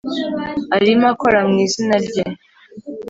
Arimo akora mu izina rye